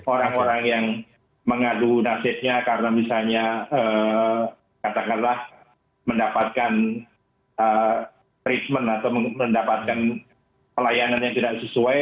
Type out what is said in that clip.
orang orang yang mengadu nasibnya karena misalnya katakanlah mendapatkan treatment atau mendapatkan pelayanan yang tidak sesuai